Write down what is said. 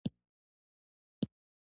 چې د ویښتو د رنګولو اجازه ورکړي.